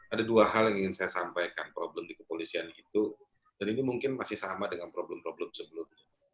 ada dua hal yang ingin saya sampaikan problem di kepolisian itu dan ini mungkin masih sama dengan problem problem sebelumnya